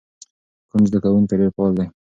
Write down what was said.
کوم زده کوونکی ډېر فعال دی؟